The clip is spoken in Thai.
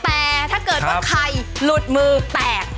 แต่ถ้าเกิดว่าใครหลุดมือแตก